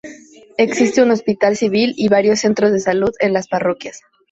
Existe un hospital civil y varios centros de salud en las parroquias.